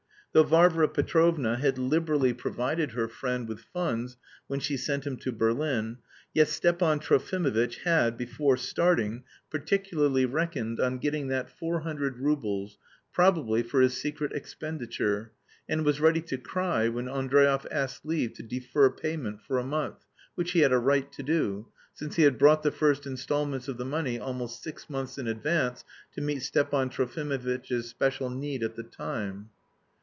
Though Varvara Petrovna had liberally provided her friend with funds when she sent him to Berlin, yet Stepan Trofimovitch had, before starting, particularly reckoned on getting that four hundred roubles, probably for his secret expenditure, and was ready to cry when Andreev asked leave to defer payment for a month, which he had a right to do, since he had brought the first installments of the money almost six months in advance to meet Stepan Trofimovitch's special need at the time.